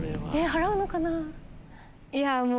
え払うのかなぁ。